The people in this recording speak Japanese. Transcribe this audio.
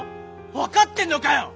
分かってんのかよ！